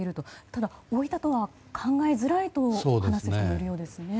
ただ置いたとは考えづらいと話す人もいるようですね。